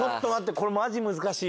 これマジ難しい。